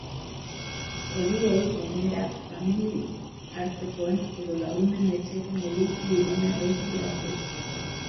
Horiei, gainera, familiartekoen edo lagunen etxeetan gelditu direnak gehitu behar zaizkie.